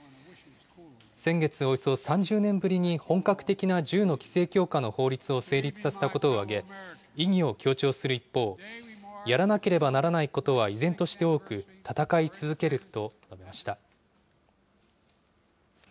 先月、およそ３０年ぶりに本格的な銃の規制強化の法律を成立させたことを挙げ、意義を強調する一方、やらなければならないことは依然として多く、闘い続けると述べました。